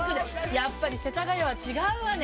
やっぱり世田谷は違うわね。